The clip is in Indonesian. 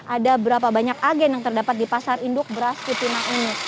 ada berapa banyak agen yang terdapat di pasar induk beras cipinang ini